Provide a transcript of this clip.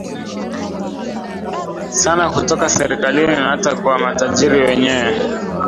sana kutoka serikalini na hata kwa matajiri wenyewe